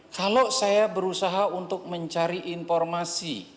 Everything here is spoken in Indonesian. kalau saya berusaha untuk mencari informasi